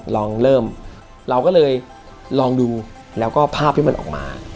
ลองเริ่มเราก็เลยลองดูแล้วก็ภาพที่มันออกมา